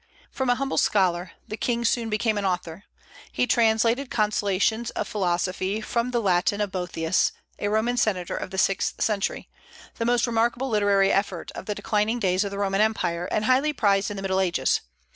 From an humble scholar the king soon became an author. He translated "Consolations of Philosophy" from the Latin of Boethius, a Roman senator of the sixth century, the most remarkable literary effort of the declining days of the Roman Empire, and highly prized in the Middle Ages.